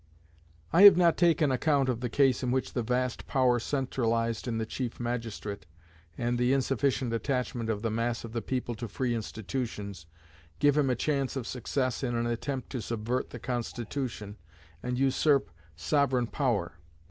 I have not taken account of the case in which the vast power centralized in the chief magistrate, and the insufficient attachment of the mass of the people to free institutions, give him a chance of success in an attempt to subvert the Constitution, and usurp sovereign power.